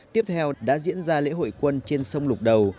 tiếp theo đã diễn ra lễ hội quân trên sông lục đầu